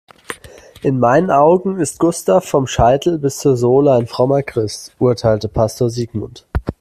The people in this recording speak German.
In meinen Augen ist Gustav vom Scheitel bis zur Sohle ein frommer Christ, urteilte Pastor Sigmund.